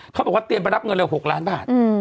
เขาบอกว่าเตรียมไปรับเงินเลย๖ล้านบาท